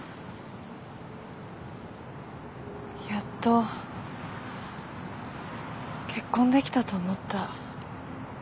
やっと結婚出来たと思った。